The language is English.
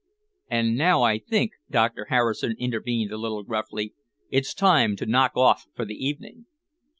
"And now, I think," Doctor Harrison intervened a little gruffly, "it's time to knock off for the evening."